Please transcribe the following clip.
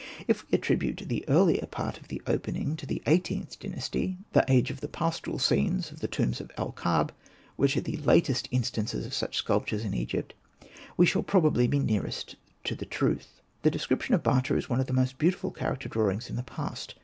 If we attribute the earlier part to the opening of the XVIIIth Dynasty — the age of the pastoral scenes of the tombs of El Kab, which are the latest instances of such sculptures in Egypt — we shall probably be nearest to the truth. — The description of Bata is one of the most beautiful character drawings in the past.